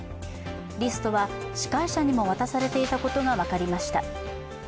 リストは司会者にも渡されていたことが分かりました。